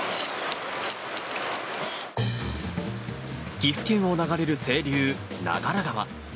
岐阜県を流れる清流、長良川。